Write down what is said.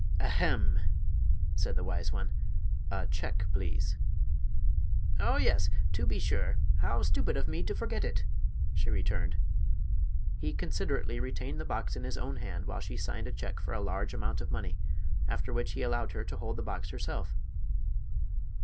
"Ahem!" said the wise one; "a check, please." "Oh, yes; to be sure! How stupid of me to forget it," she returned. He considerately retained the box in his own hand while she signed a check for a large amount of money, after which he allowed her to hold the box herself.